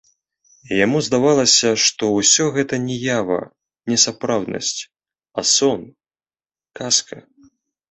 Яму здавалася, што ўсё гэта не ява, не сапраўднасць, а сон, казка.